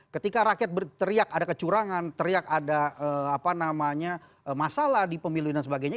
ketika rakyat berteriak ada kecurangan teriak ada masalah di pemilu dan sebagainya